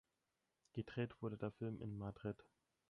Gedreht wurde der Film in Madrid.